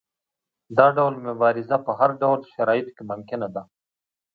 دا ډول مبارزه په هر ډول شرایطو کې ممکنه ده.